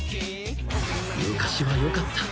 ［昔はよかった］